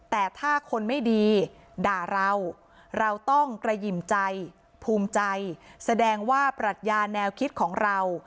แต่ถ้าคนไม่ดีด่าเราเราต้องกระหยิ่มใจภูมิใจแสดงว่าปรัชญาแนวคิดของเรา